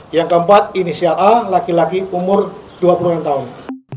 yang keempat inisial a laki laki umur dua puluh enam tahun